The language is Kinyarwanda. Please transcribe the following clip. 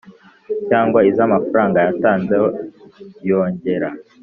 Cyangwa iz amafaranga yatanze yongera